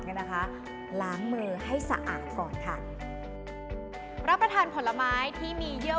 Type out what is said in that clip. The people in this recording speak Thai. เนี่ยนะคะล้างมือให้สะอาดก่อนค่ะรับประทานผลไม้ที่มีเยื่อ